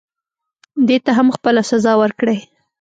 دې ته هم خپله سزا ورکړئ.